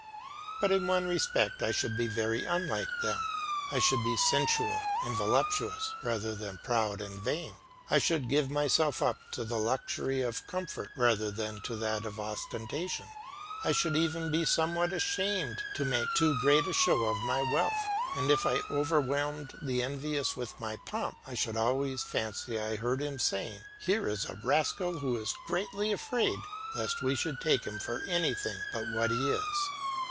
But in one respect I should be very unlike them; I should be sensual and voluptuous rather than proud and vain, and I should give myself up to the luxury of comfort rather than to that of ostentation. I should even be somewhat ashamed to make too great a show of my wealth, and if I overwhelmed the envious with my pomp I should always fancy I heard him saying, "Here is a rascal who is greatly afraid lest we should take him for anything but what he is."